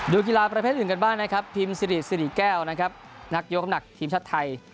ดูกีฬาประเภทอื่นกันบ้างนะครับทีมสิริแก้วนักยกอำนักทีมชาติไทย